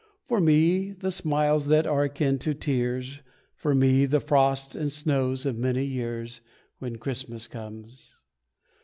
For me, the smiles that are akin to tears, For me, the frost and snows of many years, When Christmas comes.